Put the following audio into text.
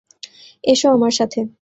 S আমার সাথে।